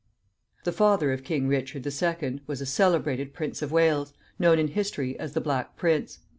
The father of King Richard the Second was a celebrated Prince of Wales, known in history as the Black Prince.